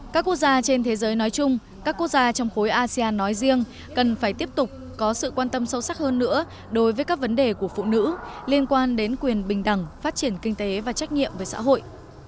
các quốc gia trên thế giới nói chung các quốc gia trong khối asean nói riêng cần phải tiếp tục có sự quan tâm sâu sắc hơn nữa đối với các vấn đề của phụ nữ liên quan đến quyền bình đẳng phát triển kinh tế và trách nhiệm với xã hội